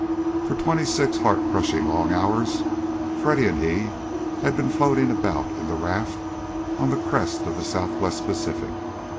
For twenty six heart crushing long hours Freddy and he had been floating about in the raft on the crest of the Southwest Pacific.